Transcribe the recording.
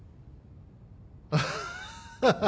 アハハハ！